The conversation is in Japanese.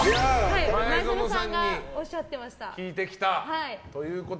前園さんがおっしゃっていました。